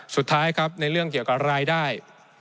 สุดท้ายครับในเรื่องเกี่ยวกับรายได้